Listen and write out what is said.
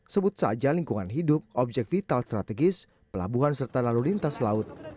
sebut saja lingkungan hidup objek vital strategis pelabuhan serta lalu lintas laut